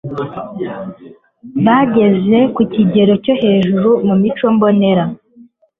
bageze ku kigero cyo hejuru mu mico mbonera